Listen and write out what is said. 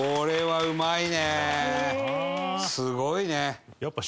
すごいね。